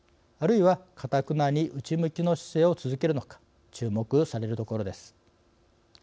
あるいはかたくなに内向きの姿勢を続けるのか注目されるところです。